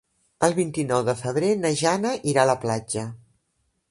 El vint-i-nou de febrer na Jana irà a la platja.